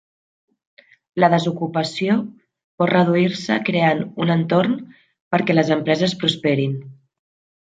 La desocupació pot reduir-se creant un entorn perquè les empreses prosperin.